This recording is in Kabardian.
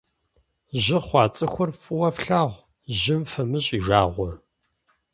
Жьы хъуа цӏыхур фӏыуэ флъагъу, жьым фымыщӏ и жагъуэ.